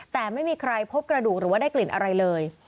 แต่ไม่มีใครพบกระดูกหรือว่าได้กลิ่นอะไรเลย